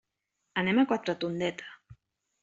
Anem a Quatretondeta.